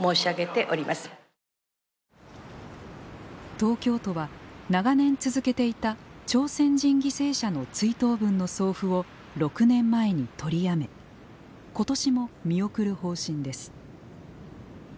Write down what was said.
東京都は、長年続けていた朝鮮人犠牲者の追悼文の送付を６年前にとりやめ今年も見送る方針です。